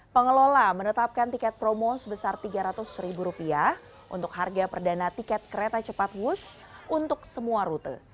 pengelola menetapkan tiket promo sebesar rp tiga ratus ribu rupiah untuk harga perdana tiket kereta cepat wus untuk semua rute